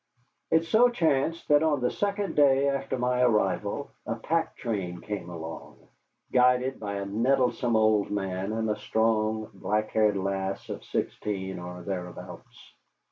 It so chanced that on the second day after my arrival a pack train came along, guided by a nettlesome old man and a strong, black haired lass of sixteen or thereabouts.